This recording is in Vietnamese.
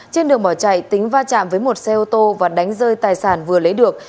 trên đường bỏ chạy tính va chạm với một xe ô tô và đánh rơi tài sản vừa lấy được